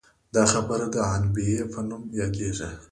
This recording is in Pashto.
دا برخه د عنبیې په نوم یادیږي.